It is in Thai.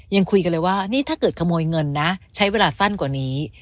ยังคุยกันเลยว่านี่ถ้าเกิดขโมยเงินนะใช้เวลาสั้นกว่านี้